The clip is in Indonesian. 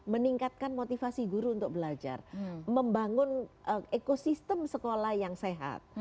meningkatkan motivasi guru untuk belajar membangun ekosistem sekolah yang sehat